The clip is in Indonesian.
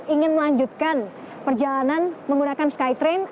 ingin melanjutkan perjalanan menggunakan skytrain